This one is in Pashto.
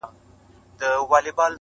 • ښکلي سیمي لوی ښارونه یې سور اور کړ,